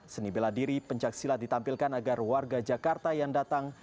seni bela diri pencaksilat ditampilkan agar warga jakarta yang datang